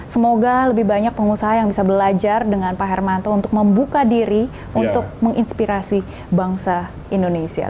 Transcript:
semoga lebih banyak pengusaha yang bisa belajar dengan pak hermanto untuk membuka diri untuk menginspirasi bangsa indonesia